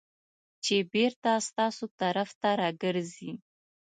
چې بېرته ستاسو طرف ته راګرځي .